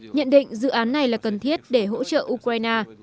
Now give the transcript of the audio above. nhận định dự án này là cần thiết để hỗ trợ ukraine